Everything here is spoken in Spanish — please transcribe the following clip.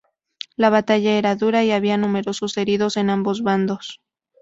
La batalla era dura y había numerosos heridos en ambos bandos.